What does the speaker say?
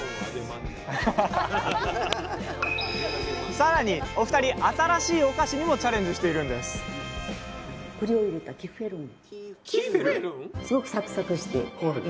更にお二人新しいお菓子にもチャレンジしているんですキッフェルン？